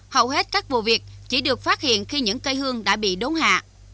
hầu hết các vụ việc chỉ được phát hiện khi những cây hương đã bị đốn hạ